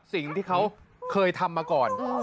สิ่งที่เขาเคยทำมาก่อน